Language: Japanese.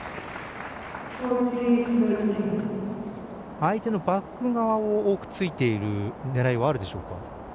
相手のバック側を多く突いている狙いはあるでしょうか。